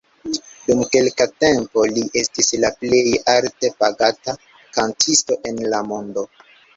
Dum kelka tempo li estis la plej alte pagata kantisto en la mondo.